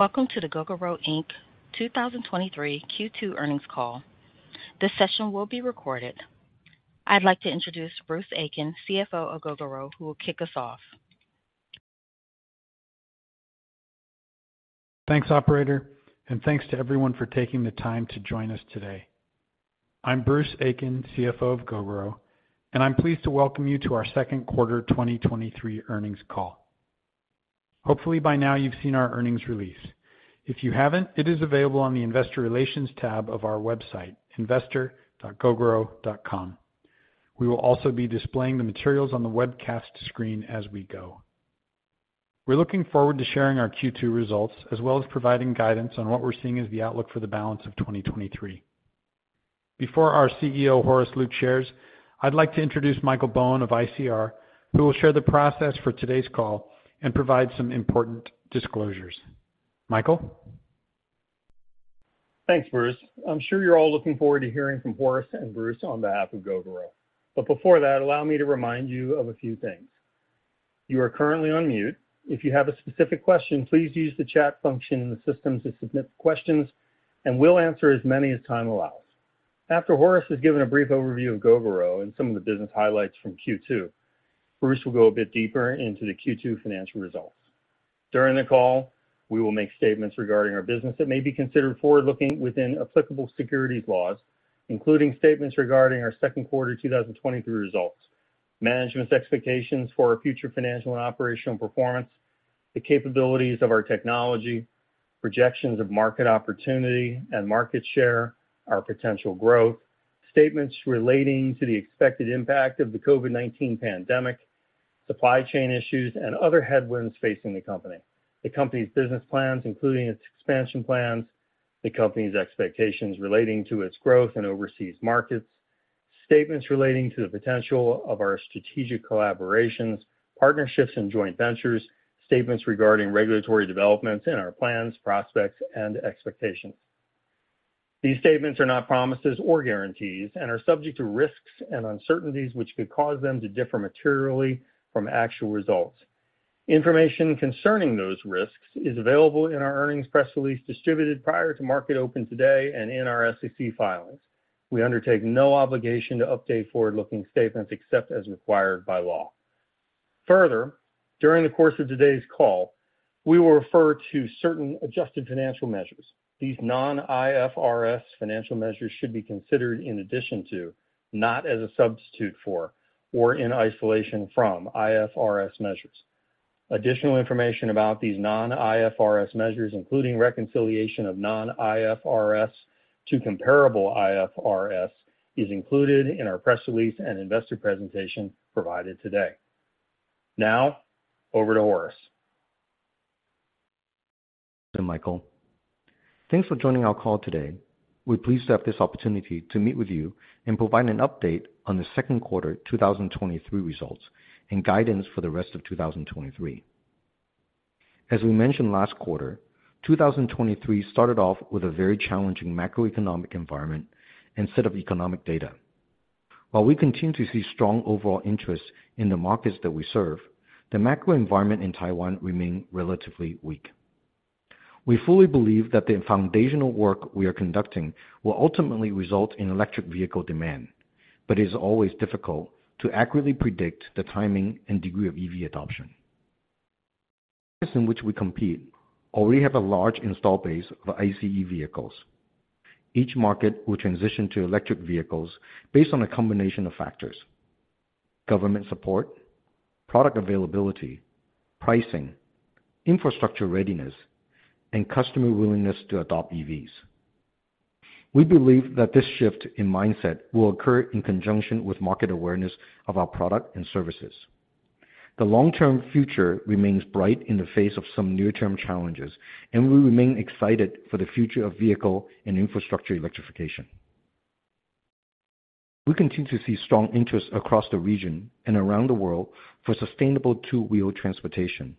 Welcome to the Gogoro Inc. 2023 Q2 Earnings Call. This session will be recorded. I'd like to introduce Bruce Aitken, CFO of Gogoro, who will kick us off. Thanks, operator, thanks to everyone for taking the time to join us today. I'm Bruce Aitken, CFO of Gogoro, I'm pleased to welcome you to our second quarter 2023 earnings call. Hopefully, by now you've seen our earnings release. If you haven't, it is available on the investor relations tab of our website, investor.gogoro.com. We will also be displaying the materials on the webcast screen as we go. We're looking forward to sharing our Q2 results, as well as providing guidance on what we're seeing as the outlook for the balance of 2023. Before our CEO, Horace Luke, shares, I'd like to introduce Michael Bowen of ICR, who will share the process for today's call and provide some important disclosures. Michael? Thanks, Bruce. I'm sure you're all looking forward to hearing from Horace and Bruce on behalf of Gogoro. Before that, allow me to remind you of a few things. You are currently on mute. If you have a specific question, please use the chat function in the system to submit questions, and we'll answer as many as time allows. After Horace has given a brief overview of Gogoro and some of the business highlights from Q2, Bruce will go a bit deeper into the Q2 financial results. During the call, we will make statements regarding our business that may be considered forward-looking within applicable securities laws, including statements regarding our second quarter 2023 results, management's expectations for our future financial and operational performance, the capabilities of our technology, projections of market opportunity and market share, our potential growth, statements relating to the expected impact of the COVID-19 pandemic, supply chain issues, and other headwinds facing the company, the company's business plans, including its expansion plans, the company's expectations relating to its growth in overseas markets, statements relating to the potential of our strategic collaborations, partnerships, and joint ventures, statements regarding regulatory developments in our plans, prospects, and expectations. These statements are not promises or guarantees and are subject to risks and uncertainties which could cause them to differ materially from actual results. Information concerning those risks is available in our earnings press release, distributed prior to market open today and in our SEC filings. We undertake no obligation to update forward-looking statements except as required by law. Further, during the course of today's call, we will refer to certain adjusted financial measures. These non-IFRS financial measures should be considered in addition to, not as a substitute for, or in isolation from IFRS measures. Additional information about these non-IFRS measures, including reconciliation of non-IFRS to comparable IFRS, is included in our press release and investor presentation provided today. Now, over to Horace. Michael.Thanks for joining our call today. We're pleased to have this opportunity to meet with you and provide an update on the second quarter 2023 results and guidance for the rest of 2023. As we mentioned last quarter, 2023 started off with a very challenging macroeconomic environment and set of economic data. While we continue to see strong overall interest in the markets that we serve, the macro environment in Taiwan remain relatively weak. We fully believe that the foundational work we are conducting will ultimately result in electric vehicle demand, but it is always difficult to accurately predict the timing and degree of EV adoption. In which we compete already have a large install base of ICE vehicles. Each market will transition to electric vehicles based on a combination of factors: government support, product availability, pricing, infrastructure readiness, and customer willingness to adopt EVs. We believe that this shift in mindset will occur in conjunction with market awareness of our product and services. The long-term future remains bright in the face of some near-term challenges, and we remain excited for the future of vehicle and infrastructure electrification. We continue to see strong interest across the region and around the world for sustainable two-wheeled transportation,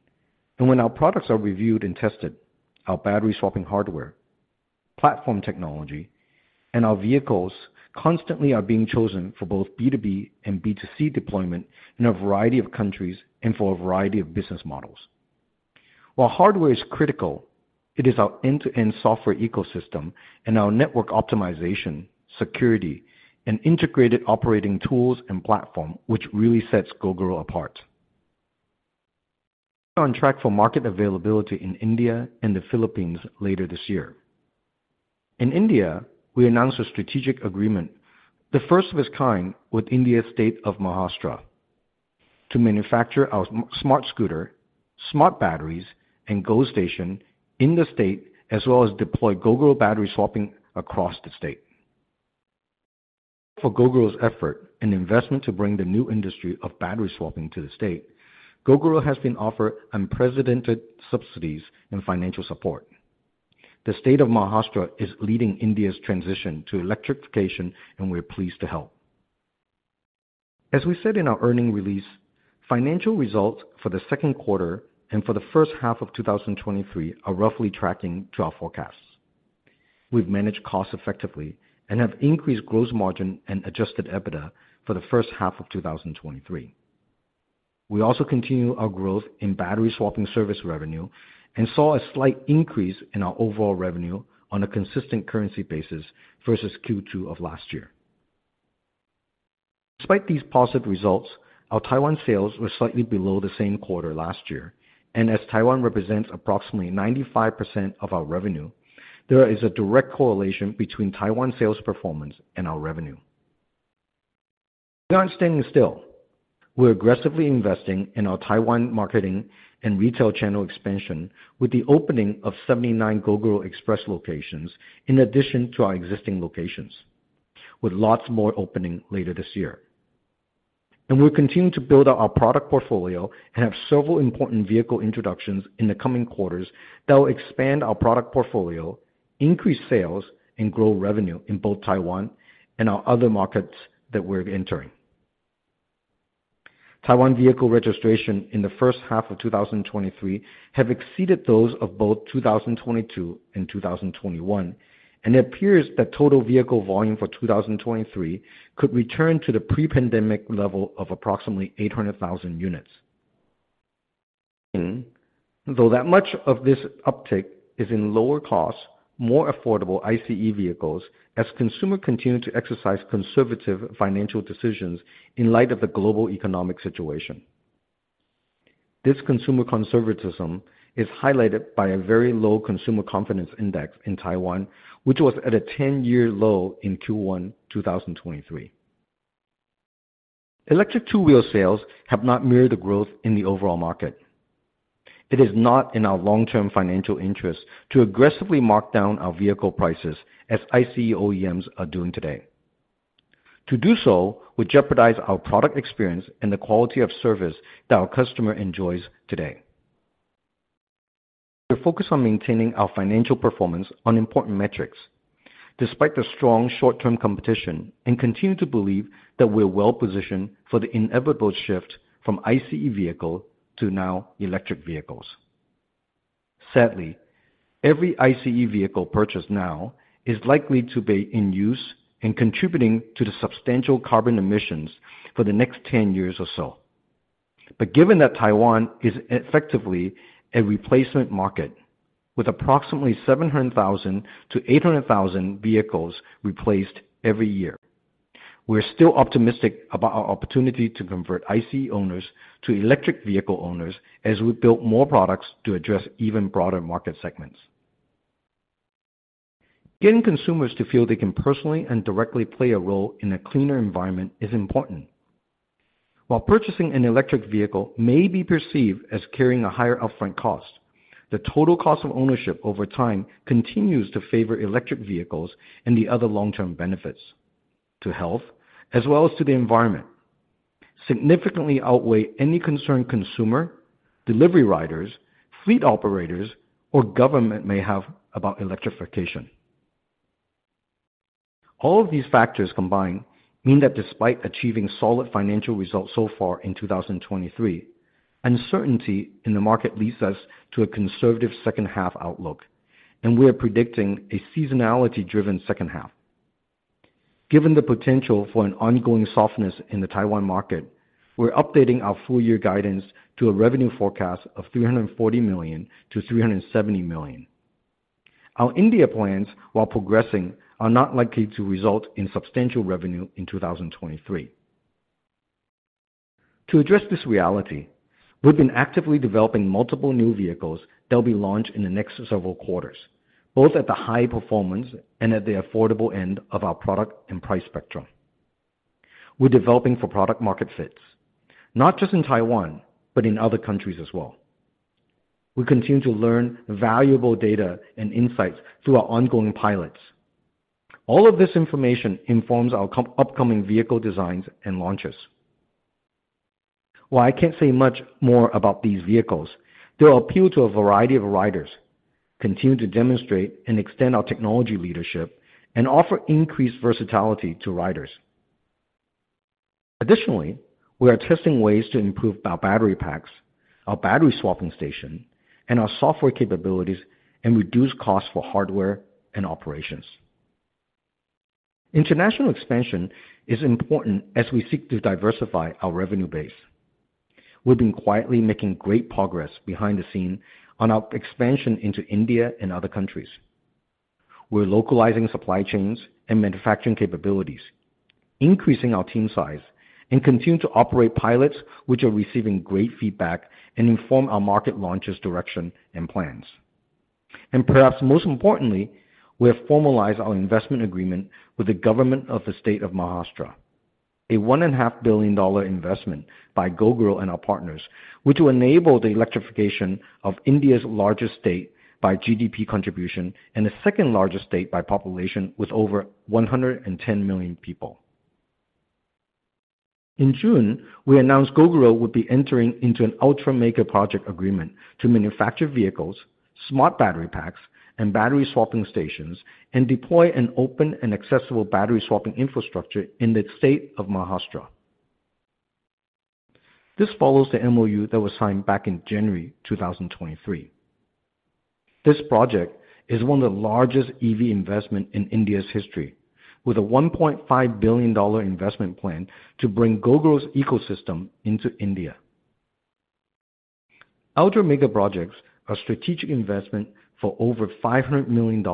and when our products are reviewed and tested, our battery swapping hardware, platform technology, and our vehicles constantly are being chosen for both B2B and B2C deployment in a variety of countries and for a variety of business models. While hardware is critical, it is our end-to-end software ecosystem and our network optimization, security, and integrated operating tools and platform which really sets Gogoro apart. On track for market availability in India and the Philippines later this year. In India, we announced a strategic agreement, the first of its kind, with India State of Maharashtra, to manufacture our Smart Scooters, Smart Batteries, and Gogoro Station in the state, as well as deploy Gogoro battery swapping across the state. For Gogoro's effort and investment to bring the new industry of battery swapping to the state, Gogoro has been offered unprecedented subsidies and financial support. The state of Maharashtra is leading India's transition to electrification, and we're pleased to help. As we said in our earning release, financial results for the second quarter and for the first half of 2023 are roughly tracking to our forecasts. We've managed costs effectively and have increased gross margin and adjusted EBITDA for the first half of 2023. We also continue our growth in battery swapping service revenue, and saw a slight increase in our overall revenue on a consistent currency basis versus Q2 of last year. Despite these positive results, our Taiwan sales were slightly below the same quarter last year, and as Taiwan represents approximately 95% of our revenue, there is a direct correlation between Taiwan sales performance and our revenue. We aren't standing still. We're aggressively investing in our Taiwan marketing and retail channel expansion, with the opening of 79 Gogoro Express locations in addition to our existing locations, with lots more opening later this year. We're continuing to build out our product portfolio and have several important vehicle introductions in the coming quarters that will expand our product portfolio, increase sales, and grow revenue in both Taiwan and our other markets that we're entering. Taiwan vehicle registration in the first half of 2023 have exceeded those of both 2022 and 2021, and it appears that total vehicle volume for 2023 could return to the pre-pandemic level of approximately 800,000 units. Though much of this uptick is in lower cost, more affordable ICE vehicles, as consumer continue to exercise conservative financial decisions in light of the global economic situation. This consumer conservatism is highlighted by a very low consumer confidence index in Taiwan, which was at a 10-year low in Q1 2023. Electric two-wheel sales have not mirrored the growth in the overall market. It is not in our long-term financial interest to aggressively mark down our vehicle prices as ICE OEMs are doing today. To do so would jeopardize our product experience and the quality of service that our customer enjoys today. We're focused on maintaining our financial performance on important metrics, despite the strong short-term competition, and continue to believe that we're well positioned for the inevitable shift from ICE vehicle to now electric vehicles. Sadly, every ICE vehicle purchased now is likely to be in use and contributing to the substantial carbon emissions for the next 10 years or so. Given that Taiwan is effectively a replacement market with approximately 700,000-800,000 vehicles replaced every year, we're still optimistic about our opportunity to convert ICE owners to electric vehicle owners as we build more products to address even broader market segments. Getting consumers to feel they can personally and directly play a role in a cleaner environment is important. While purchasing an electric vehicle may be perceived as carrying a higher upfront cost, the total cost of ownership over time continues to favor electric vehicles, and the other long-term benefits to health as well as to the environment, significantly outweigh any concern consumer, delivery riders, fleet operators, or government may have about electrification. All of these factors combined mean that despite achieving solid financial results so far in 2023, uncertainty in the market leads us to a conservative second half outlook, and we are predicting a seasonality-driven second half. Given the potential for an ongoing softness in the Taiwan market, we're updating our full year guidance to a revenue forecast of $340 million-$370 million. Our India plans, while progressing, are not likely to result in substantial revenue in 2023. To address this reality, we've been actively developing multiple new vehicles that will be launched in the next several quarters, both at the high performance and at the affordable end of our product and price spectrum. We're developing for product market fits, not just in Taiwan, but in other countries as well. We continue to learn valuable data and insights through our ongoing pilots. All of this information informs our upcoming vehicle designs and launches. While I can't say much more about these vehicles, they'll appeal to a variety of riders, continue to demonstrate and extend our technology leadership, and offer increased versatility to riders. Additionally, we are testing ways to improve our battery packs, our battery swapping station, and our software capabilities, and reduce costs for hardware and operations. International expansion is important as we seek to diversify our revenue base. We've been quietly making great progress behind the scene on our expansion into India and other countries. We're localizing supply chains and manufacturing capabilities, increasing our team size, and continue to operate pilots, which are receiving great feedback and inform our market launches, direction, and plans. Perhaps most importantly, we have formalized our investment agreement with the Government of the State of Maharashtra, a $1.5 billion investment by Gogoro and our partners, which will enable the electrification of India's largest state by GDP contribution and the second-largest state by population, with over 110 million people. In June, we announced Gogoro would be entering into an Ultra Mega Project agreement to manufacture vehicles, Smart Battery packs, and battery swapping stations, and deploy an open and accessible battery swapping infrastructure in the state of Maharashtra. This follows the MOU that was signed back in January 2023. This project is one of the largest EV investment in India's history, with a $1.5 billion investment plan to bring Gogoro's ecosystem into India. Our megaprojects, are strategic investment for over $500 million,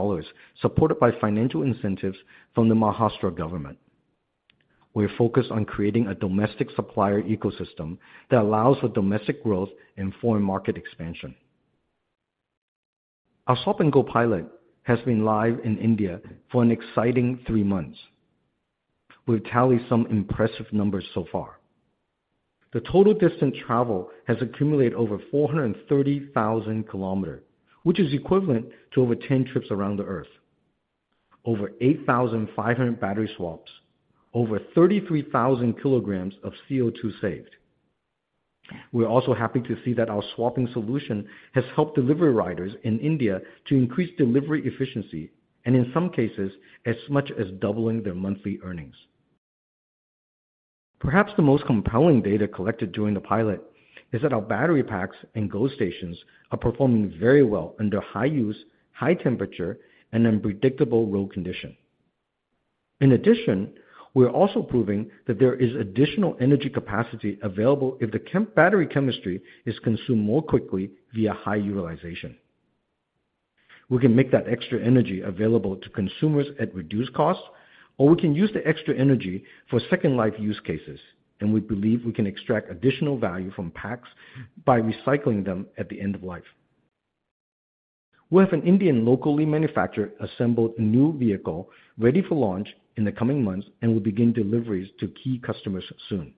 supported by financial incentives from the Maharashtra government. We are focused on creating a domestic supplier ecosystem that allows for domestic growth and foreign market expansion. Our Swap & Go pilot has been live in India for an exciting three months. We've tallied some impressive numbers so far. The total distance traveled has accumulated over 430,000 km, which is equivalent to over 10 trips around the Earth. Over 8,500 battery swaps, over 33,000kg of CO2 saved. We are also happy to see that our swapping solution has helped delivery riders in India to increase delivery efficiency, and in some cases, as much as doubling their monthly earnings. Perhaps the most compelling data collected during the pilot, is that our battery packs and Gogoro Stations are performing very well under high use, high temperature, and unpredictable road conditions. In addition, we are also proving that there is additional energy capacity available if the battery chemistry is consumed more quickly via high utilization. We can make that extra energy available to consumers at reduced costs, or we can use the extra energy for second life use cases, and we believe we can extract additional value from packs by recycling them at the end of life. We have an Indian locally manufactured, assembled new vehicle, ready for launch in the coming months, and will begin deliveries to key customers soon.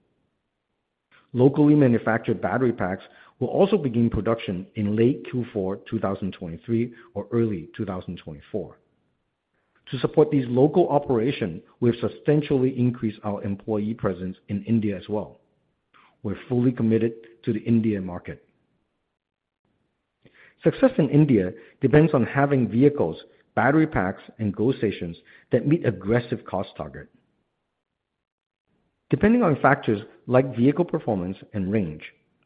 Locally manufactured battery packs will also begin production in late Q4 2023 or early 2024. To support these local operations, we have substantially increased our employee presence in India as well. We're fully committed to the Indian market. Success in India depends on having vehicles, battery packs, and Gogoro Stations that meet aggressive cost target. Depending on factors like vehicle performance and range,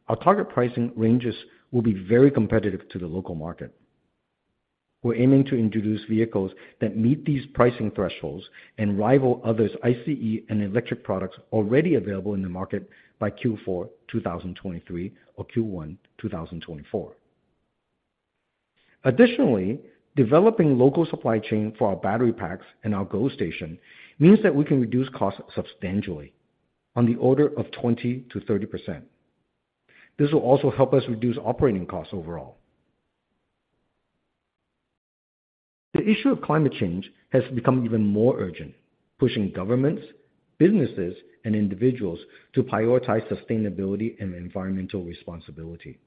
our target pricing ranges will be very competitive to the local market. We're aiming to introduce vehicles that meet these pricing thresholds and rival others ICE and electric products already available in the market by Q4, 2023 or Q1, 2024. Developing local supply chain for our battery packs and our Gogoro Station means that we can reduce costs substantially on the order of 20%-30%. This will also help us reduce operating costs overall. The issue of climate change has become even more urgent, pushing governments, businesses, and individuals to prioritize sustainability and environmental responsibility.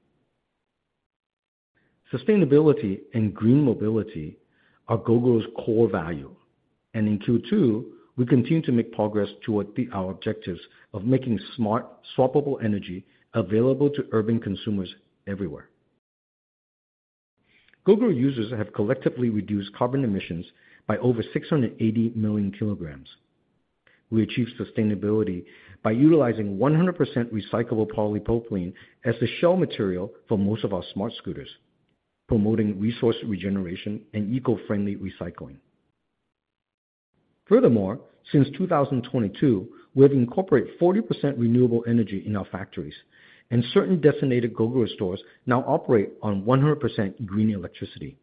Sustainability and green mobility are Gogoro's core value, and in Q2, we continued to make progress toward our objectives of making smart, swappable energy available to urban consumers everywhere. Gogoro users have collectively reduced carbon emissions by over 680 million kg. We achieve sustainability by utilizing 100% recyclable polypropylene as the shell material for most of our Smart Scooters, promoting resource regeneration and eco-friendly recycling. Furthermore, since 2022, we have incorporated 40% renewable energy in our factories, and certain designated Gogoro stores now operate on 100% green electricity.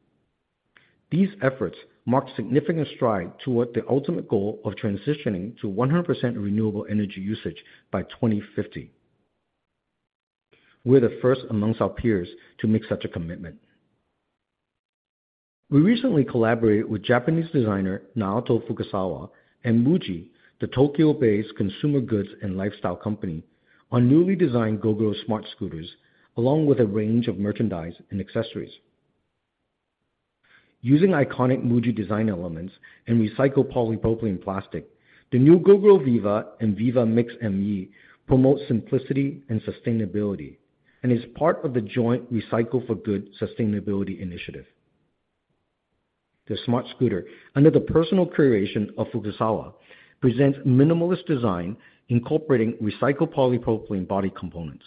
These efforts mark a significant stride toward the ultimate goal of transitioning to 100% renewable energy usage by 2050. We're the first amongst our peers to make such a commitment. We recently collaborated with Japanese designer, Naoto Fukasawa, and MUJI, the Tokyo-based consumer goods and lifestyle company, on newly designed Gogoro Smart Scooters, along with a range of merchandise and accessories. Using iconic MUJI design elements and recycled polypropylene plastic, the new Gogoro VIVA and VIVA MIX ME promote simplicity and sustainability, and is part of the joint Recycling for Good sustainability initiative. The Smart Scooter, under the personal curation of Fukasawa, presents minimalist design, incorporating recycled polypropylene body components.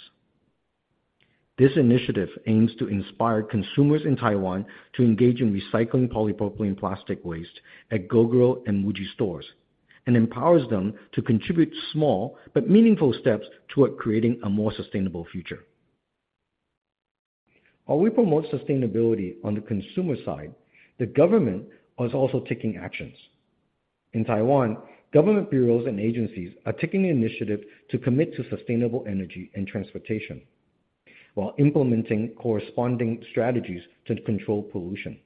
This initiative aims to inspire consumers in Taiwan to engage in recycling polypropylene plastic waste at Gogoro and MUJI stores, and empowers them to contribute small but meaningful steps toward creating a more sustainable future. While we promote sustainability on the consumer side, the government is also taking actions. In Taiwan, government bureaus and agencies are taking the initiative to commit to sustainable energy and transportation, while implementing corresponding strategies to control pollution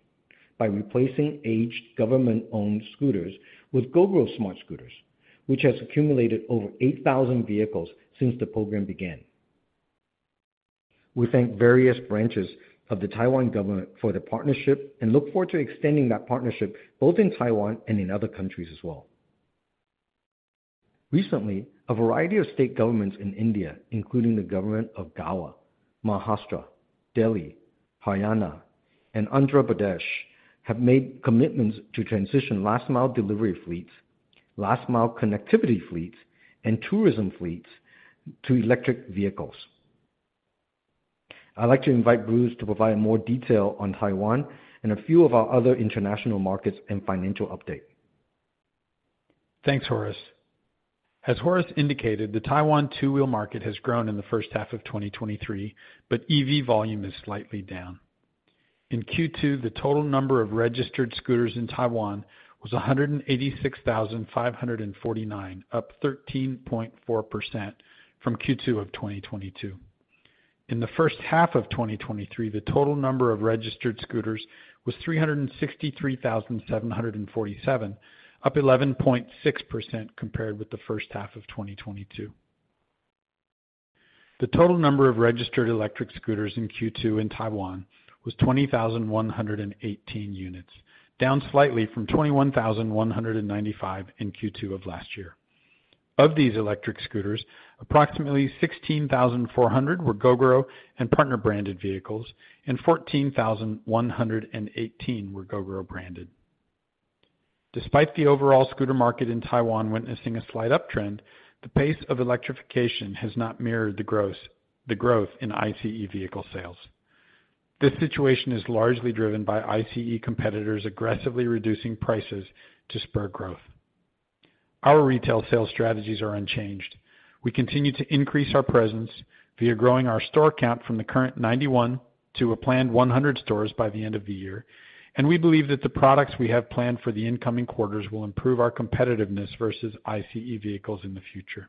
by replacing aged government-owned scooters with Gogoro Smart Scooters, which has accumulated over 8,000 vehicles since the program began. We thank various branches of the Taiwan government for their partnership and look forward to extending that partnership both in Taiwan and in other countries as well. Recently, a variety of state governments in India, including the government of Goa, Maharashtra, Delhi, Haryana, and Andhra Pradesh, have made commitments to transition last mile connectivity fleets and tourism fleets to electric vehicles. I'd like to invite Bruce to provide more detail on Taiwan and a few of our other international markets and financial update. Thanks, Horace. As Horace indicated, the Taiwan two-wheel market has grown in the first half of 2023, but EV volume is slightly down. In Q2, the total number of registered scooters in Taiwan was 186,549, up 13.4% from Q2 of 2022. In the first half of 2023, the total number of registered scooters was 363,747, up 11.6% compared with the first half of 2022. The total number of registered electric scooters in Q2 in Taiwan was 20,118 units, down slightly from 21,195 in Q2 of last year. Of these electric scooters, approximately 16,400 were Gogoro and partner-branded vehicles, and 14,118 were Gogoro-branded. Despite the overall scooter market in Taiwan witnessing a slight uptrend, the pace of electrification has not mirrored the growth in ICE vehicle sales. This situation is largely driven by ICE competitors aggressively reducing prices to spur growth. Our retail sales strategies are unchanged. We continue to increase our presence via growing our store count from the current 91 to a planned 100 stores by the end of the year, and we believe that the products we have planned for the incoming quarters will improve our competitiveness versus ICE vehicles in the future.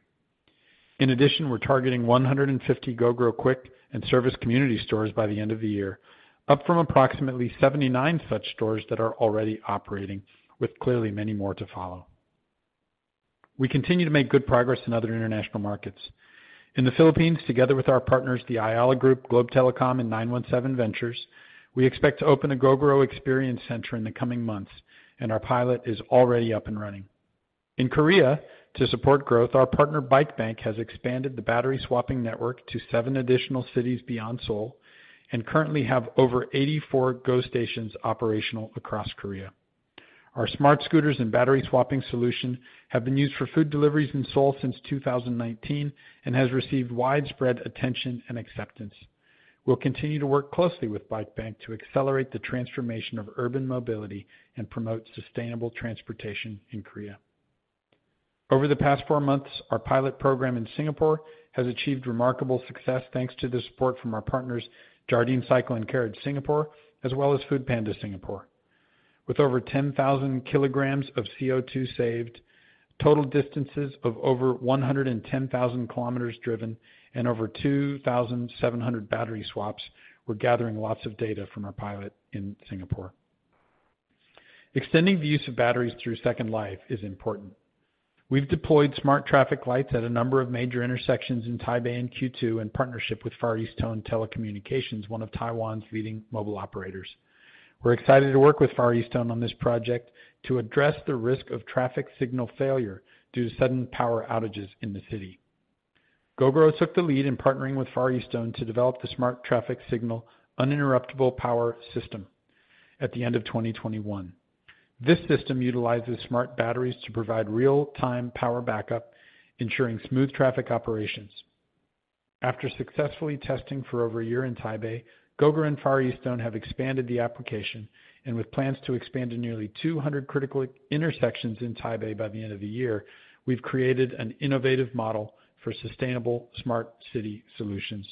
In addition, we're targeting 150 Gogoro Quick and service community stores by the end of the year, up from approximately 79 such stores that are already operating, with clearly many more to follow. We continue to make good progress in other international markets. In the Philippines, together with our partners, the Ayala Group, Globe Telecom, and 917 Ventures, we expect to open a Gogoro Experience Center in the coming months, and our pilot is already up and running. In Korea, to support growth, our partner, Bikebank, has expanded the battery swapping network to seven additional cities beyond Seoul, and currently have over 84 Gogoro Stations operational across Korea. Our Smart Scooters and battery swapping solution have been used for food deliveries in Seoul since 2019, and has received widespread attention and acceptance. We'll continue to work closely with Bikebank to accelerate the transformation of urban mobility and promote sustainable transportation in Korea. Over the past four months, our pilot program in Singapore has achieved remarkable success, thanks to the support from our partners, Jardine Cycle & Carriage Singapore, as well as foodpanda Singapore. With over 10,000kg of CO2 saved, total distances of over 110,000 km driven, and over 2,700 battery swaps, we're gathering lots of data from our pilot in Singapore. Extending the use of batteries through second life is important. We've deployed smart traffic lights at a number of major intersections in Taipei in Q2, in partnership with Far EasTone Telecommunications, one of Taiwan's leading mobile operators. We're excited to work with Far EasTone on this project to address the risk of traffic signal failure due to sudden power outages in the city. Gogoro took the lead in partnering with Far EasTone to develop the Smart Traffic Signal Uninterruptible Power System at the end of 2021. This system utilizes Smart Batteries to provide real-time power backup, ensuring smooth traffic operations. After successfully testing for over a year in Taipei, Gogoro and Far EasTone have expanded the application, with plans to expand to nearly 200 critical intersections in Taipei by the end of the year, we've created an innovative model for sustainable smart city solutions.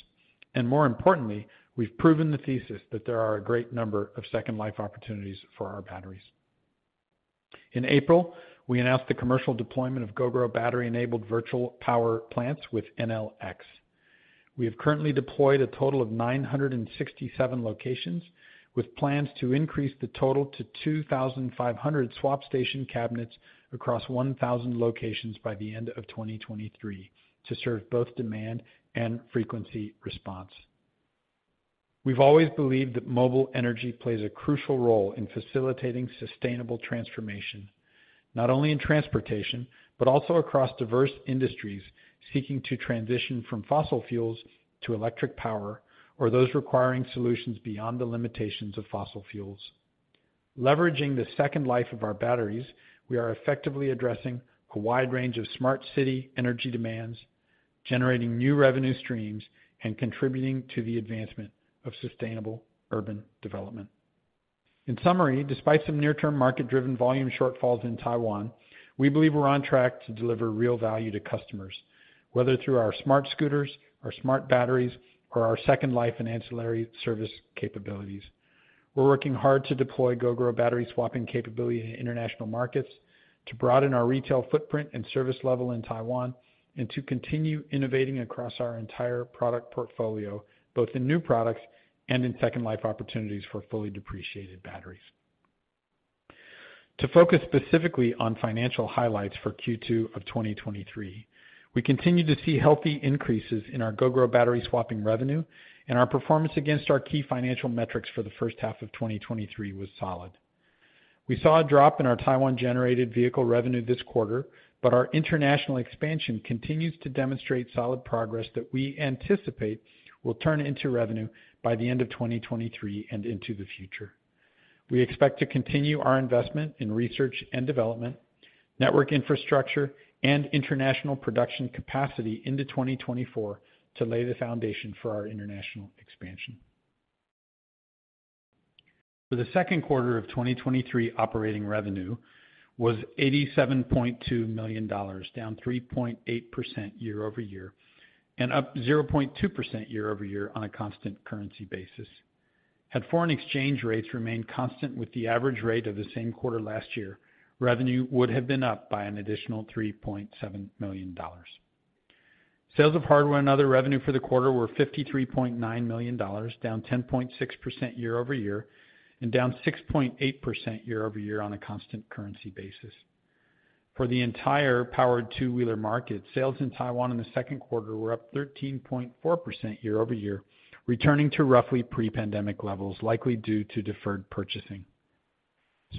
More importantly, we've proven the thesis that there are a great number of second life opportunities for our batteries. In April, we announced the commercial deployment of Gogoro battery-enabled virtual power plants with Enel X. We have currently deployed a total of 967 locations, with plans to increase the total to 2,500 swap station cabinets across 1,000 locations by the end of 2023, to serve both demand and frequency response. We've always believed that mobile energy plays a crucial role in facilitating sustainable transformation, not only in transportation, but also across diverse industries seeking to transition from fossil fuels to electric power, or those requiring solutions beyond the limitations of fossil fuels. Leveraging the second life of our batteries, we are effectively addressing a wide range of smart city energy demands, generating new revenue streams, and contributing to the advancement of sustainable urban development. In summary, despite some near-term market-driven volume shortfalls in Taiwan, we believe we're on track to deliver real value to customers, whether through our Smart Scooters, our Smart Batteries, or our second life and ancillary service capabilities. We're working hard to deploy Gogoro battery swapping capability in international markets, to broaden our retail footprint and service level in Taiwan, and to continue innovating across our entire product portfolio, both in new products and in second life opportunities for fully depreciated batteries. To focus specifically on financial highlights for Q2 of 2023, we continue to see healthy increases in our Gogoro battery swapping revenue. Our performance against our key financial metrics for the first half of 2023 was solid. We saw a drop in our Taiwan-generated vehicle revenue this quarter. Our international expansion continues to demonstrate solid progress that we anticipate will turn into revenue by the end of 2023 and into the future. We expect to continue our investment in R&D, network infrastructure, and international production capacity into 2024 to lay the foundation for our international expansion. For the second quarter of 2023, operating revenue was $87.2 million, down 3.8% year-over-year, and up 0.2% year-over-year on a constant currency basis. Had foreign exchange rates remained constant with the average rate of the same quarter last year, revenue would have been up by an additional $3.7 million. Sales of hardware and other revenue for the quarter were $53.9 million, down 10.6% year-over-year, and down 6.8% year-over-year on a constant currency basis. For the entire powered two-wheeler market, sales in Taiwan in the second quarter were up 13.4% year-over-year, returning to roughly pre-pandemic levels, likely due to deferred purchasing.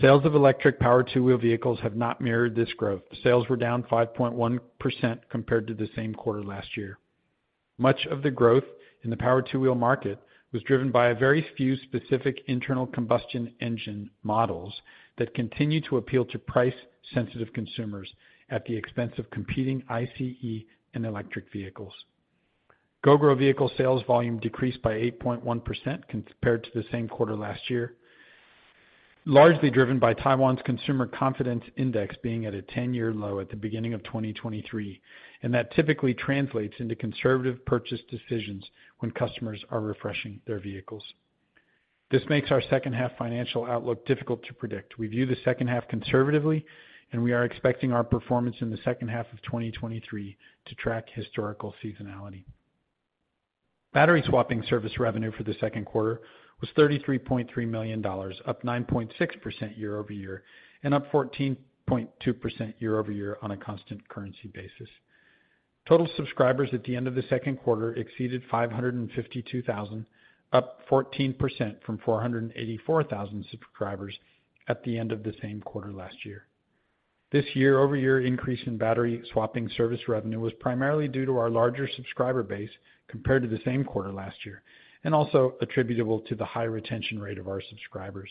Sales of electric-powered two-wheel vehicles have not mirrored this growth. Sales were down 5.1% compared to the same quarter last year. Much of the growth in the powered two-wheel market was driven by a very few specific internal combustion engine models that continue to appeal to price-sensitive consumers at the expense of competing ICE and electric vehicles. Gogoro vehicle sales volume decreased by 8.1% compared to the same quarter last year, largely driven by Taiwan's consumer confidence index being at a 10-year low at the beginning of 2023. That typically translates into conservative purchase decisions when customers are refreshing their vehicles. This makes our second-half financial outlook difficult to predict. We view the second half conservatively. We are expecting our performance in the second half of 2023 to track historical seasonality. Battery swapping service revenue for the second quarter was $33.3 million, up 9.6% year-over-year, up 14.2% year-over-year on a constant currency basis. Total subscribers at the end of the second quarter exceeded 552,000, up 14% from 484,000 subscribers at the end of the same quarter last year. This year-over-year increase in battery swapping service revenue was primarily due to our larger subscriber base compared to the same quarter last year, also attributable to the high retention rate of our subscribers.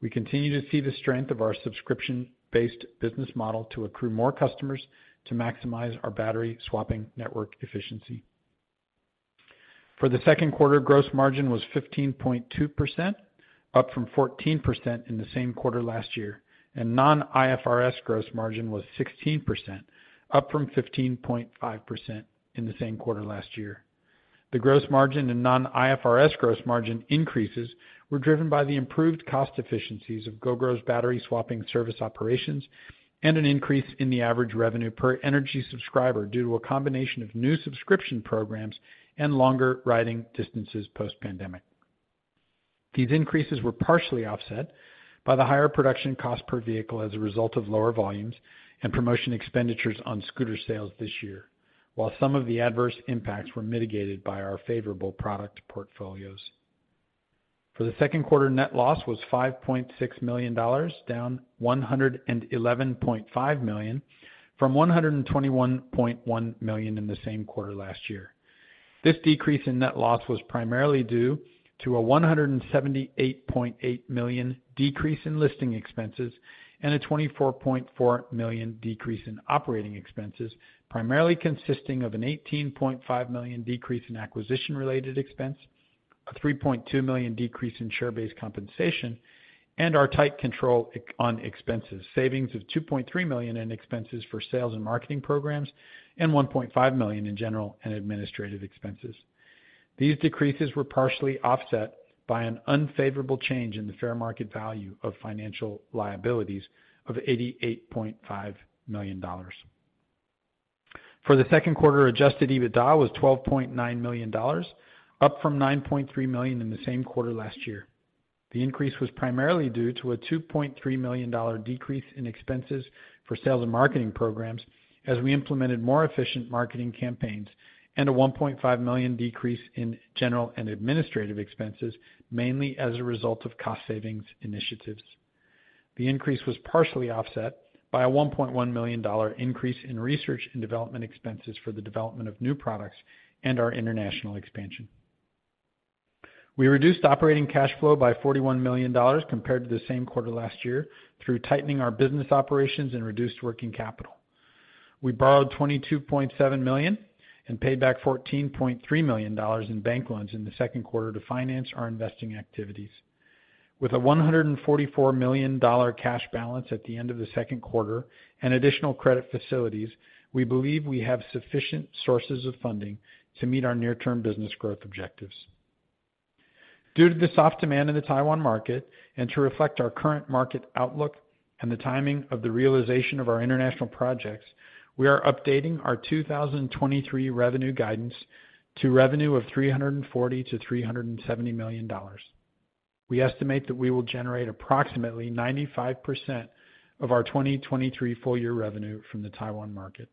We continue to see the strength of our subscription-based business model to accrue more customers to maximize our battery-swapping network efficiency. For the second quarter, gross margin was 15.2%, up from 14% in the same quarter last year, and non-IFRS gross margin was 16%, up from 15.5% in the same quarter last year. The gross margin and non-IFRS gross margin increases were driven by the improved cost efficiencies of Gogoro's battery-swapping service operations and an increase in the average revenue per energy subscriber due to a combination of new subscription programs and longer riding distances post-pandemic. These increases were partially offset by the higher production cost per vehicle as a result of lower volumes and promotion expenditures on scooter sales this year, while some of the adverse impacts were mitigated by our favorable product portfolios. For the second quarter, net loss was $5.6 million, down $111.5 million, from $121.1 million in the same quarter last year. This decrease in net loss was primarily due to a $178.8 million decrease in listing expenses and a $24.4 million decrease in operating expenses, primarily consisting of an $18.5 million decrease in acquisition-related expense, a $3.2 million decrease in share-based compensation, and our tight control on expenses, savings of $2.3 million in expenses for sales and marketing programs and $1.5 million in general and administrative expenses. These decreases were partially offset by an unfavorable change in the fair market value of financial liabilities of $88.5 million. For the second quarter, adjusted EBITDA was $12.9 million, up from $9.3 million in the same quarter last year. The increase was primarily due to a $2.3 million decrease in expenses for sales and marketing programs as we implemented more efficient marketing campaigns, and a $1.5 million decrease in general and administrative expenses, mainly as a result of cost savings initiatives. The increase was partially offset by a $1.1 million increase in research and development expenses for the development of new products and our international expansion. We reduced operating cash flow by $41 million compared to the same quarter last year through tightening our business operations and reduced working capital. We borrowed $22.7 million and paid back $14.3 million in bank loans in the second quarter to finance our investing activities. With a $144 million cash balance at the end of the second quarter and additional credit facilities, we believe we have sufficient sources of funding to meet our near-term business growth objectives. Due to the soft demand in the Taiwan market and to reflect our current market outlook and the timing of the realization of our international projects, we are updating our 2023 revenue guidance to revenue of $340 million-$370 million. We estimate that we will generate approximately 95% of our 2023 full year revenue from the Taiwan market.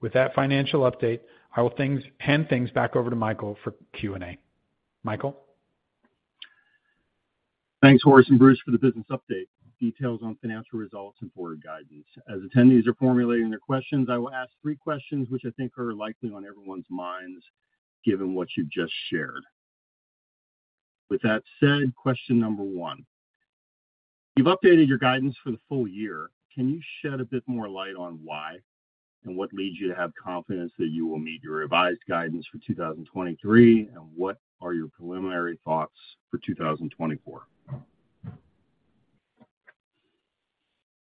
With that financial update, I will hand things back over to Michael for Q&A. Michael? Thanks, Horace and Bruce, for the business update, details on financial results and forward guidance. As attendees are formulating their questions, I will ask three questions, which I think are likely on everyone's minds. Given what you've just shared. With that said, question number one: You've updated your guidance for the full year. Can you shed a bit more light on why, and what leads you to have confidence that you will meet your revised guidance for 2023? What are your preliminary thoughts for 2024?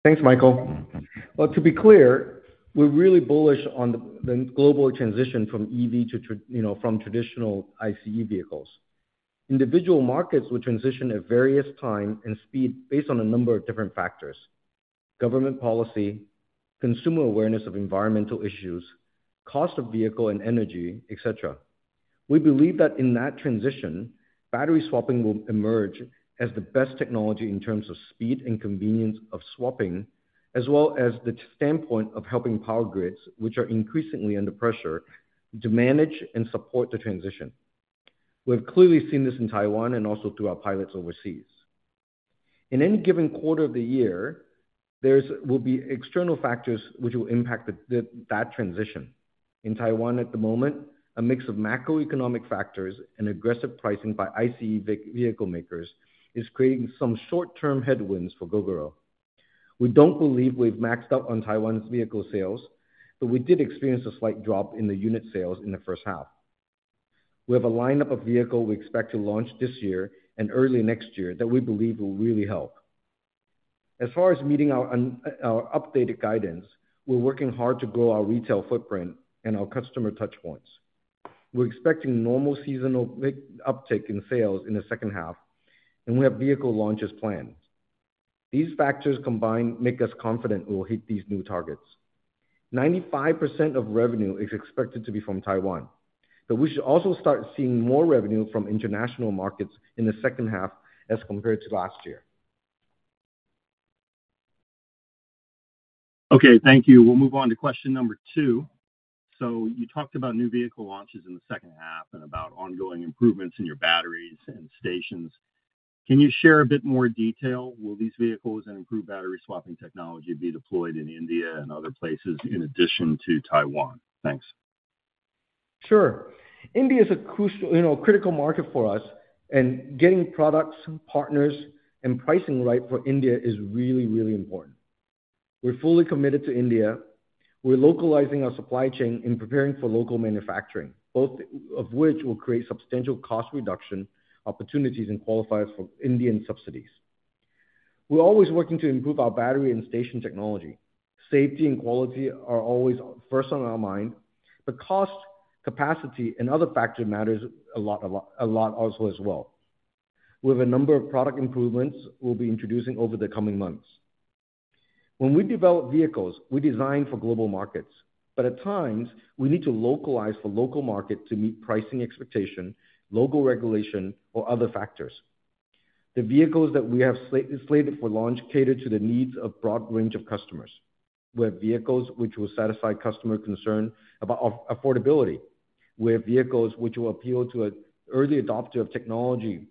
Thanks, Michael. Well, to be clear, we're really bullish on the global transition from EV to you know, from traditional ICE vehicles. Individual markets will transition at various time and speed based on a number of different factors: government policy, consumer awareness of environmental issues, cost of vehicle and energy, et cetera. We believe that in that transition, battery swapping will emerge as the best technology in terms of speed and convenience of swapping, as well as the standpoint of helping power grids, which are increasingly under pressure, to manage and support the transition. We've clearly seen this in Taiwan and also through our pilots overseas. In any given quarter of the year, there's will be external factors which will impact that transition. In Taiwan at the moment, a mix of macroeconomic factors and aggressive pricing by ICE vehicle makers is creating some short-term headwinds for Gogoro. We don't believe we've maxed out on Taiwan's vehicle sales, but we did experience a slight drop in the unit sales in the first half. We have a lineup of vehicle we expect to launch this year and early next year that we believe will really help. As far as meeting our updated guidance, we're working hard to grow our retail footprint and our customer touchpoints. We're expecting normal seasonal big uptake in sales in the second half, and we have vehicle launches planned. These factors combined make us confident we'll hit these new targets. 95% of revenue is expected to be from Taiwan, but we should also start seeing more revenue from international markets in the second half as compared to last year. Okay, thank you. We'll move on to question number two. You talked about new vehicle launches in the second half and about ongoing improvements in your batteries and stations. Can you share a bit more detail? Will these vehicles and improved battery swapping technology be deployed in India and other places in addition to Taiwan? Thanks. Sure. India is a, you know, critical market for us, and getting products, partners, and pricing right for India is really, really important. We're fully committed to India. We're localizing our supply chain and preparing for local manufacturing, both of which will create substantial cost reduction opportunities and qualify us for Indian subsidies. We're always working to improve our battery and station technology. Safety and quality are always first on our mind, but cost, capacity, and other factors matters a lot, a lot, a lot also as well. We have a number of product improvements we'll be introducing over the coming months. When we develop vehicles, we design for global markets, but at times we need to localize for local market to meet pricing expectation, local regulation, or other factors. The vehicles that we have slated for launch cater to the needs of broad range of customers. We have vehicles which will satisfy customer concern about affordability. We have vehicles which will appeal to an early adopter of technology,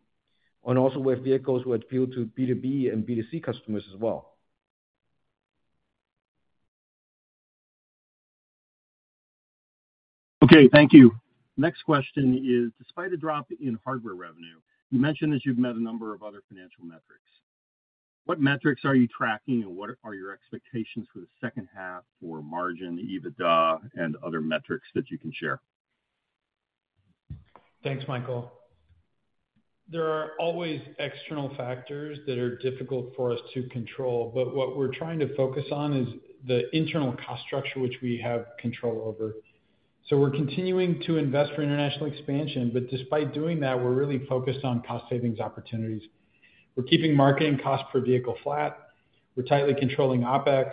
and also we have vehicles which appeal to B2B and B2C customers as well. Okay, thank you. Next question is, despite a drop in hardware revenue, you mentioned that you've met a number of other financial metrics. What metrics are you tracking, and what are your expectations for the second half for margin, EBITDA, and other metrics that you can share? Thanks, Michael. There are always external factors that are difficult for us to control, but what we're trying to focus on is the internal cost structure, which we have control over. We're continuing to invest for international expansion, but despite doing that, we're really focused on cost savings opportunities. We're keeping marketing costs per vehicle flat, we're tightly controlling OpEx,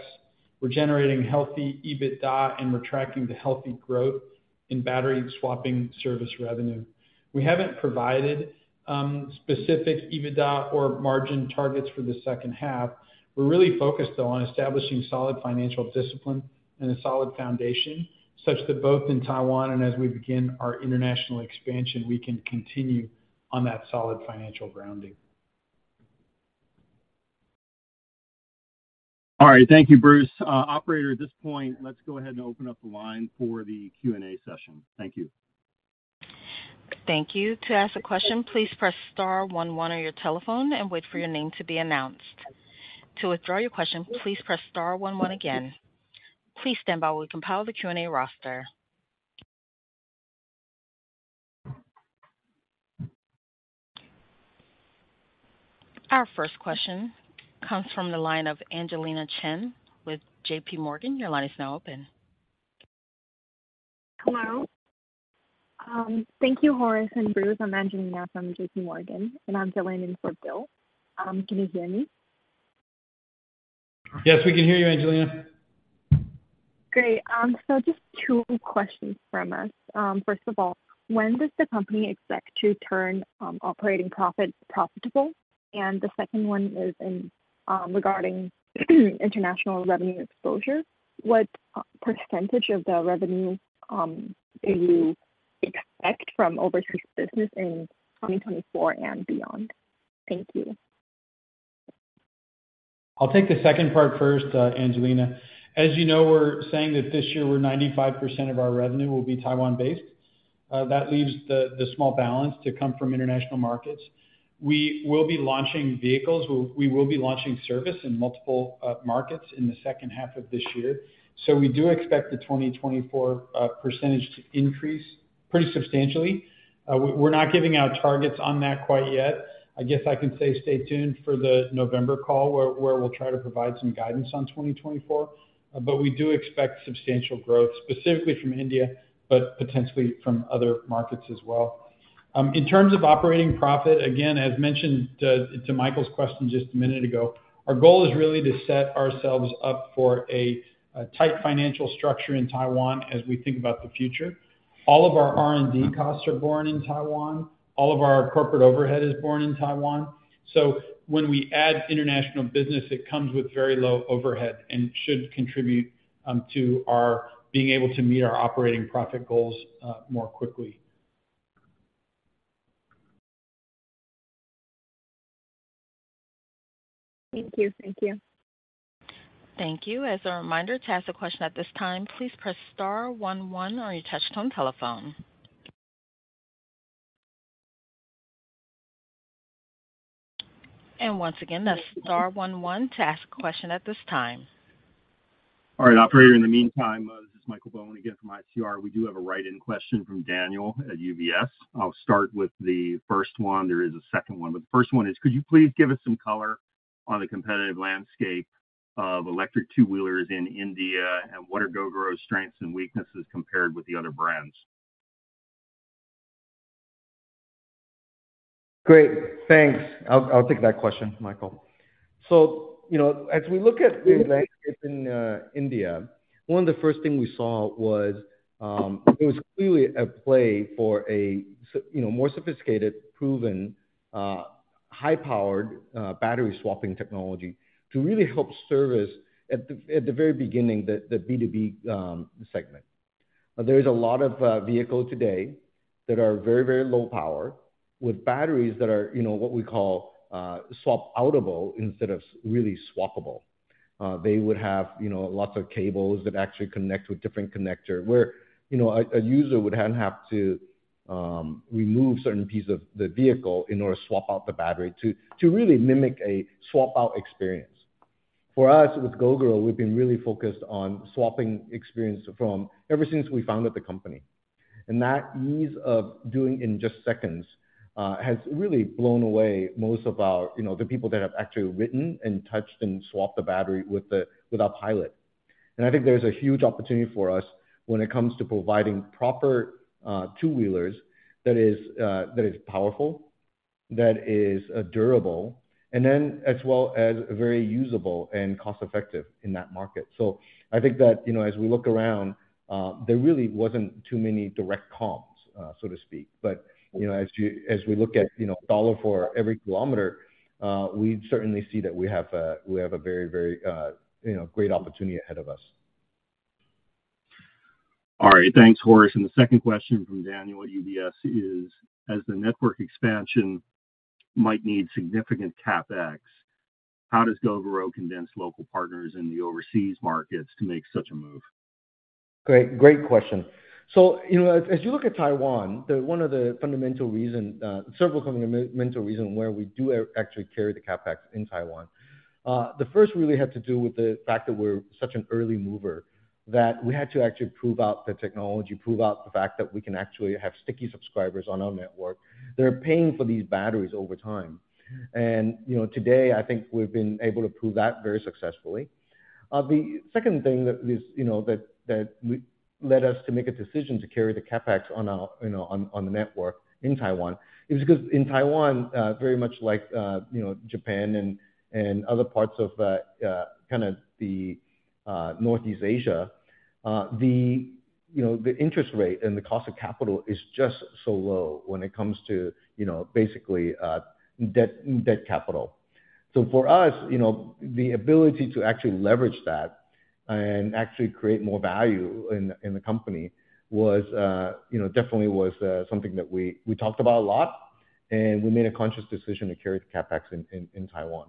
we're generating healthy EBITDA, and we're tracking the healthy growth in battery swapping service revenue. We haven't provided specific EBITDA or margin targets for the second half. We're really focused, though, on establishing solid financial discipline and a solid foundation, such that both in Taiwan and as we begin our international expansion, we can continue on that solid financial grounding. All right. Thank you, Bruce. operator, at this point, let's go ahead and open up the line for the Q&A session. Thank you. Thank you. To ask a question, please press star one one on your telephone and wait for your name to be announced. To withdraw your question, please press star one one again. Please stand by while we compile the Q&A roster. Our first question comes from the line of Angelina Chen with JPMorgan. Your line is now open. Hello. Thank you, Horace and Bruce. I'm Angelina from JPMorgan, and I'm filling in for Bill. Can you hear me? Yes, we can hear you, Angelina. Great. Just 2 questions from us. First of all, when does the company expect to turn, operating profit profitable? The second one is in, regarding, international revenue exposure. What, percentage of the revenue, do you expect from overseas business in 2024 and beyond? Thank you.... I'll take the second part first, Angelina. As you know, we're saying that this year we're 95% of our revenue will be Taiwan-based. That leaves the small balance to come from international markets. We will be launching vehicles. We will be launching service in multiple markets in the second half of this year. We do expect the 2024 percentage to increase pretty substantially. We're not giving out targets on that quite yet. I guess I can say stay tuned for the November call, where we'll try to provide some guidance on 2024. We do expect substantial growth, specifically from India, but potentially from other markets as well. In terms of operating profit, again, as mentioned to, to Michael's question just a minute ago, our goal is really to set ourselves up for a, a tight financial structure in Taiwan as we think about the future. All of our R&D costs are borne in Taiwan. All of our corporate overhead is borne in Taiwan. When we add international business, it comes with very low overhead and should contribute to our being able to meet our operating profit goals more quickly. Thank you. Thank you. Thank you. As a reminder, to ask a question at this time, please press star one one on your touch-tone telephone. Once again, that's star one one to ask a question at this time. All right, operator. In the meantime, this is Michael Bowen again from ICR. We do have a write-in question from Daniel at UBS. I'll start with the first one. There is a second one, but the first one is: Could you please give us some color on the competitive landscape of electric two-wheelers in India, and what are Gogoro's strengths and weaknesses compared with the other brands? Great, thanks. I'll take that question, Michael. You know, as we look at the landscape in India, one of the first thing we saw was, it was clearly a play for a, you know, more sophisticated, proven, high-powered battery swapping technology to really help service at the, at the very beginning, the B2B segment. There's a lot of vehicle today that are very, very low power, with batteries that are, you know, what we call swap-outable instead of really swappable. They would have, you know, lots of cables that actually connect with different connector, where, you know, a user would hand have to remove certain pieces of the vehicle in order to swap out the battery to really mimic a swap-out experience. For us, with Gogoro, we've been really focused on swapping experience from ever since we founded the company, that ease of doing in just seconds has really blown away most of our, you know, the people that have actually ridden and touched and swapped the battery with the, with our pilot. I think there's a huge opportunity for us when it comes to providing proper two-wheelers that is, that is powerful, that is, durable, and then as well as very usable and cost-effective in that market. I think that, you know, as we look around, there really wasn't too many direct comps, so to speak. You know, as you-- as we look at, you know, dollar for every kilometer, we certainly see that we have a, we have a very, very, you know, great opportunity ahead of us. All right. Thanks, Horace. The second question from Daniel at UBS is: As the network expansion might need significant CapEx, how does Gogoro condense local partners in the overseas markets to make such a move? Great, great question. You know, as, as you look at Taiwan, one of the fundamental reason, several fundamental reason where we do actually carry the CapEx in Taiwan. The first really had to do with the fact that we're such an early mover, that we had to actually prove out the technology, prove out the fact that we can actually have sticky subscribers on our network that are paying for these batteries over time. You know, today, I think we've been able to prove that very successfully. The second thing that is, you know, that, that we led us to make a decision to carry the CapEx on our, you know, on, on the network in Taiwan, is because in Taiwan, very much like, you know, Japan and, and other parts of, kind of the, Northeast Asia, the, you know, the interest rate and the cost of capital is just so low when it comes to, you know, basically, debt, debt capital. For us, you know, the ability to actually leverage that and actually create more value in, in the company was, you know, definitely was, something that we, we talked about a lot, and we made a conscious decision to carry the CapEx in, in, in Taiwan.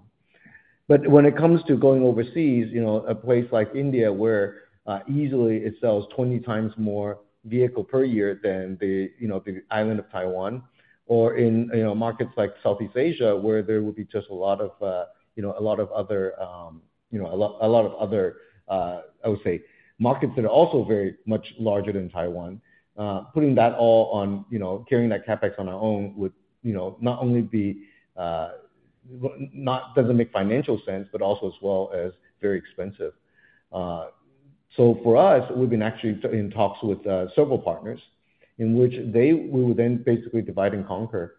When it comes to going overseas, you know, a place like India, where, easily it sells 20 times more vehicle per year than the, you know, the island of Taiwan, or in, you know, markets like Southeast Asia, where there would be just a lot of, you know, a lot of other, you know, a lot, a lot of other, I would say markets that are also very much larger than Taiwan. Putting that all on, you know, carrying that CapEx on our own would, you know, not only be, not-- doesn't make financial sense, but also as well as very expensive. For us, we've been actually in talks with several partners, in which they will then basically divide and conquer,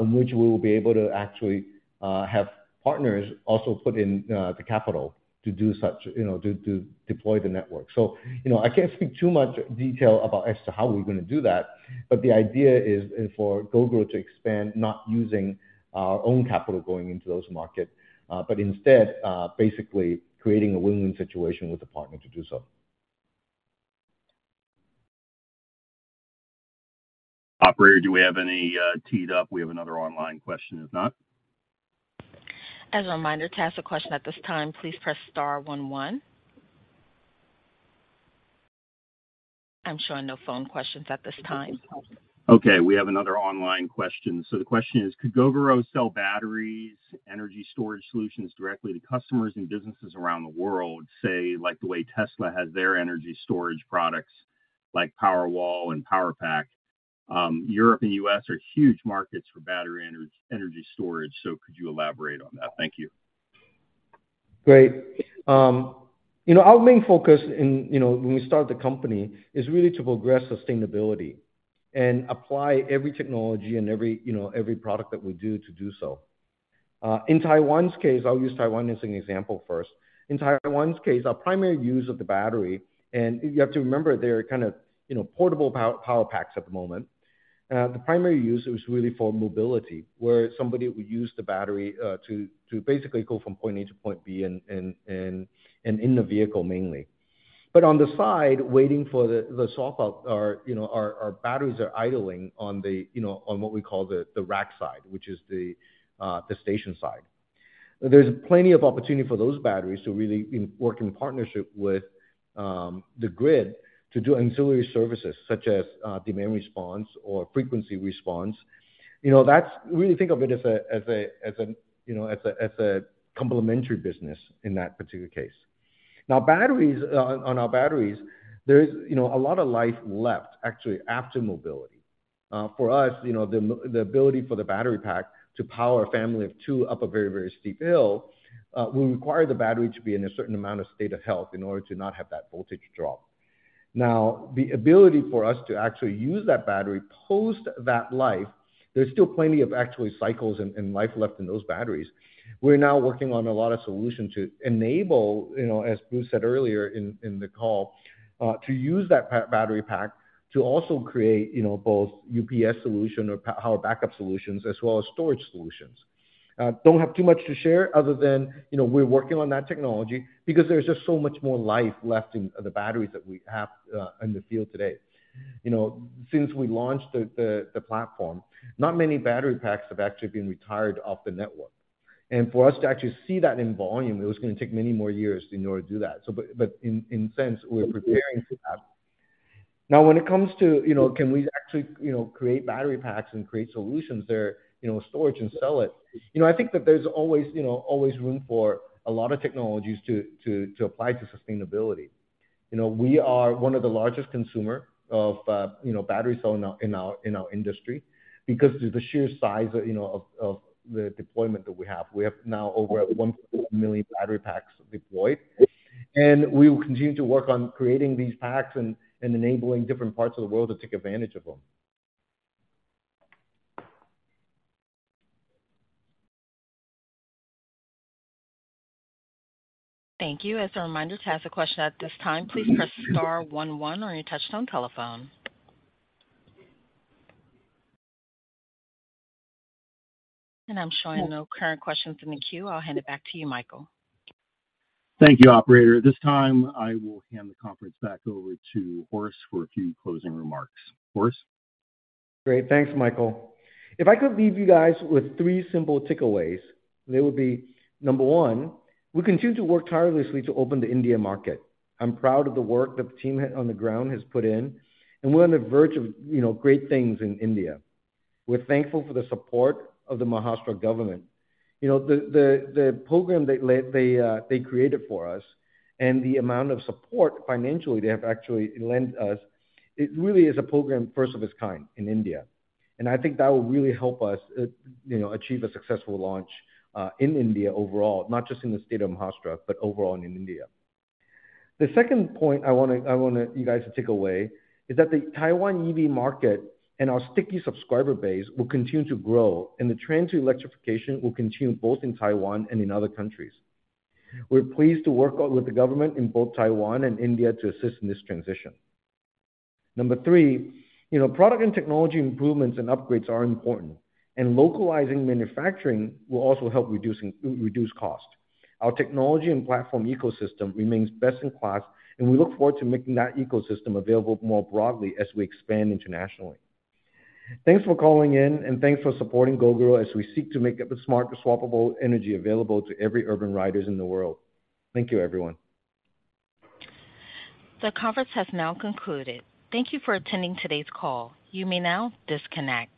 in which we will be able to actually have partners also put in the capital to do such, you know, to, to deploy the network. You know, I can't speak too much detail about as to how we're gonna do that, but the idea is, is for Gogoro to expand, not using our own capital going into those markets, but instead, basically creating a win-win situation with the partner to do so. Operator, do we have any, teed up? We have another online question, if not. As a reminder, to ask a question at this time, please press star one, one. I'm showing no phone questions at this time. Okay, we have another online question. The question is: Could Gogoro sell batteries, energy storage solutions, directly to customers and businesses around the world, say, like the way Tesla has their energy storage products, like Powerwall and Powerpack? Europe and US are huge markets for battery energy, energy storage, so could you elaborate on that? Thank you. Great. you know, our main focus in, you know, when we started the company, is really to progress sustainability and apply every technology and every, you know, every product that we do, to do so. In Taiwan's case, I'll use Taiwan as an example first. In Taiwan's case, our primary use of the battery, and you have to remember, they're kind of, you know, portable power packs at the moment. The primary use was really for mobility, where somebody would use the battery, to, to basically go from point A to point B and, and, and, and in the vehicle mainly. But on the side, waiting for the, the swap out, our, you know, our, our batteries are idling on the, you know, on what we call the, the rack side, which is the, the station side. There's plenty of opportunity for those batteries to really work in partnership with the grid to do ancillary services such as demand response or frequency response. You know, that's really think of it as a, as a, as a, you know, as a, as a complementary business in that particular case. Now, batteries, on our batteries, there is, you know, a lot of life left actually, after mobility. For us, you know, the ability for the battery pack to power a family of two up a very, very steep hill, will require the battery to be in a certain amount of state of health in order to not have that voltage drop. Now, the ability for us to actually use that battery post that life, there's still plenty of actually cycles and, and life left in those batteries. We're now working on a lot of solutions to enable, you know, as Bruce said earlier in the call, to use that battery pack to also create, you know, both UPS solution or power backup solutions as well as storage solutions. Don't have too much to share other than, you know, we're working on that technology because there's just so much more life left in the batteries that we have in the field today. You know, since we launched the platform, not many battery packs have actually been retired off the network. For us to actually see that in volume, it was gonna take many more years in order to do that, but in sense, we're preparing for that. Now, when it comes to, you know, can we actually, you know, create battery packs and create solutions that are, you know, storage and sell it? You know, I think that there's always, you know, always room for a lot of technologies to, to, to apply to sustainability. You know, we are one of the largest consumer of, you know, battery cell in our, in our, in our industry, because the sheer size, you know, of, of the deployment that we have. We have now over at 1 million battery packs deployed, and we will continue to work on creating these packs and, and enabling different parts of the world to take advantage of them. Thank you. As a reminder, to ask a question at this time, please press star 11 on your touch-tone telephone. I'm showing no current questions in the queue. I'll hand it back to you, Michael. Thank you, operator. At this time, I will hand the conference back over to Horace for a few closing remarks. Horace? Great. Thanks, Michael. If I could leave you guys with three simple takeaways, they would be, number one, we continue to work tirelessly to open the India market. I'm proud of the work the team on the ground has put in, and we're on the verge of, you know, great things in India. We're thankful for the support of the Maharashtra government. You know, the, the, the program they created for us and the amount of support financially they have actually lent us, it really is a program, first of its kind in India, and I think that will really help us, you know, achieve a successful launch in India overall, not just in the state of Maharashtra, but overall in India. The second point I wanna you guys to take away is that the Taiwan EV market and our sticky subscriber base will continue to grow, and the trend to electrification will continue both in Taiwan and in other countries. We're pleased to work with the government in both Taiwan and India to assist in this transition. Number three, you know, product and technology improvements and upgrades are important, and localizing manufacturing will also help reduce cost. Our technology and platform ecosystem remains best-in-class. We look forward to making that ecosystem available more broadly as we expand internationally. Thanks for calling in. Thanks for supporting Gogoro as we seek to make the smart, swappable energy available to every urban riders in the world. Thank you, everyone. The conference has now concluded. Thank you for attending today's call. You may now disconnect.